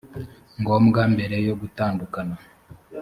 ngombwa mbere yo gutandukana